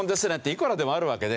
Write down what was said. いくらでもあるわけで。